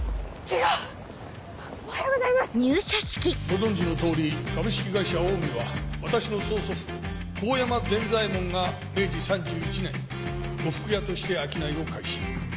ご存じの通り株式会社オウミは私の曽祖父神山伝左衛門が明治３１年呉服屋として商いを開始。